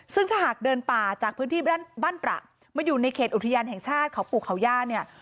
ซึ่งถ้าหากเดินป่าจากพื้นที่บ้านตระมาอยู่ในเขตอุทยานแห่งชาติเขาปู่เขาย่าเนี่ย